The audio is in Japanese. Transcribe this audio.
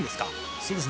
そうですね